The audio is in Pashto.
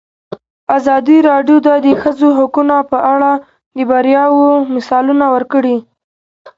ازادي راډیو د د ښځو حقونه په اړه د بریاوو مثالونه ورکړي.